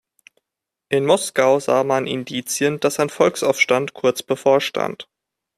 In Moskau sah man Indizien, dass ein Volksaufstand kurz bevorstand.